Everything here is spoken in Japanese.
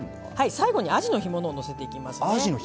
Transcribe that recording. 最後にあじの干物をのせます。